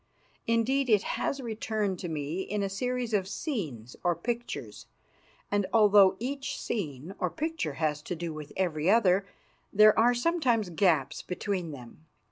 Indeed, it has returned to me in a series of scenes or pictures, and although each scene or picture has to do with every other, there are sometimes gaps between them.